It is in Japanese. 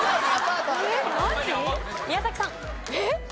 えっ？